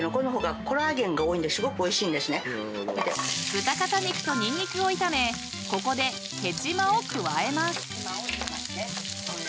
［豚肩肉とニンニクを炒めここでヘチマを加えます］